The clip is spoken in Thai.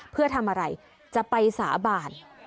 เพื่อทำอะไรจะไปสาบาน